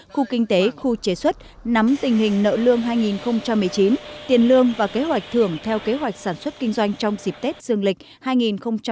khu kinh tế khu chế xuất nắm tình hình nợ lương hai nghìn một mươi chín tiền lương và kế hoạch thưởng theo kế hoạch sản xuất kinh doanh trong dịp tết dương lịch hai nghìn hai mươi